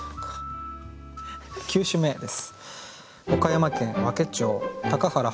９首目です。